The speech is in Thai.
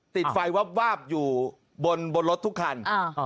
ติดไฟวาบวาบอยู่บนรถทุกคัน